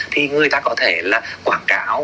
thì người ta có thể là quảng cáo